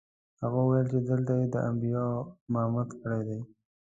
هغه وویل چې هلته یې د انبیاوو امامت کړی دی.